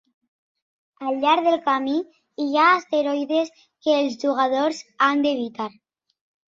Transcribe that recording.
Al llarg del camí hi ha asteroides, que els jugadors han d'evitar.